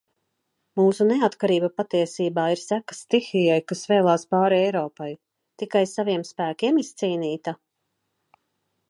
Mūsu neatkarība patiesībā ir sekas stihijai, kas vēlās pāri Eiropai. Tikai saviem spēkiem izcīnīta?